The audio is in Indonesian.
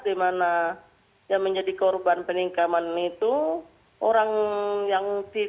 di mana yang menjadi korban peningkaman itu orang yang